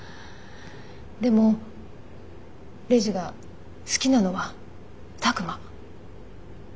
でもレイジが好きなのは拓真。